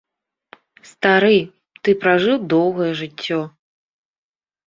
Стары, ты пражыў доўгае жыццё.